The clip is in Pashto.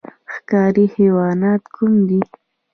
ښکاري حیوانات کوم دي؟